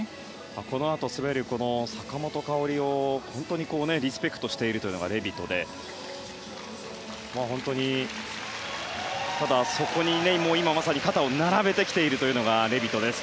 このあと滑る坂本花織を本当にリスペクトしているのがレビトで、ただ、そこに今まさに肩を並べてきているのがレビトです。